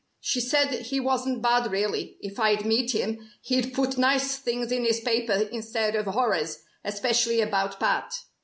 She said he wasn't bad really if I'd meet him he'd put nice things in his paper instead of horrors especially about Pat.